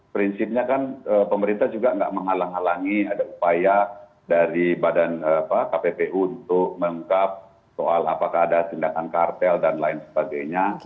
prinsipnya kan pemerintah juga nggak menghalang halangi ada upaya dari badan kppu untuk mengungkap soal apakah ada tindakan kartel dan lain sebagainya